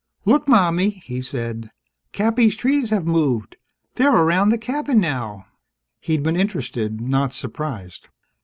"Look, Mommie!" he'd said. "Cappy's trees have moved. They're around the cabin, now." He'd been interested, not surprised.